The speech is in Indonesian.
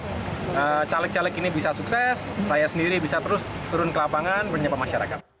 fokus pada bagaimana caleg caleg ini bisa sukses saya sendiri bisa terus turun ke lapangan bernyapa masyarakat